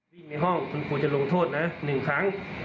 วิ่งในห้องคุณภูมิจะลงโทษนะหนึ่งครั้ง